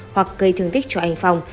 hoặc cây thương tích cho anh phong